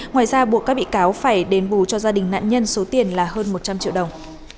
ngoài ra buộc các bị cáo phải đền bù cho gia đình nạn nhân số tiền là hơn một trăm linh triệu đồng